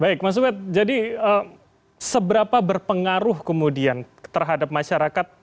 baik mas ubed jadi seberapa berpengaruh kemudian terhadap masyarakat